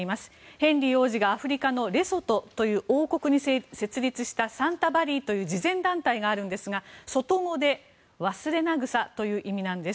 ヘンリー王子がアフリカのレソトという王国に設立したサンタバリーという慈善団体があるんですがレソト語でワスレナグサという意味なんです。